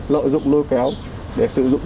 lợi dụng lôi kéo để sử dụng